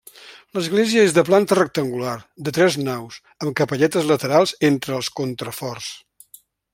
L'església és de planta rectangular, de tres naus, amb capelletes laterals entre els contraforts.